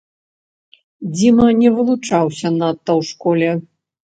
Дзіма не вылучаўся надта ў школе.